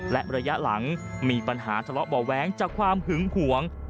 และระยะหลังมีปัญหาทะเลาะเบาะแว้งจากความหึงหวง